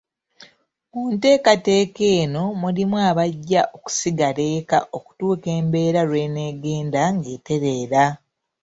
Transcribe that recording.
Mu nteekateka eno mulimu abajja okusigala eka okutuuka embeera lw'enaagenda ng'etereera.